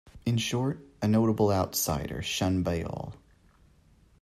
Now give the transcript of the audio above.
In short, a notable outsider, shunned by all.